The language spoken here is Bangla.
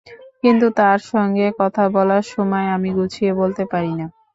কিন্তু তার সঙ্গে কথা বলার সময় আমি গুছিয়ে বলতে পারি না।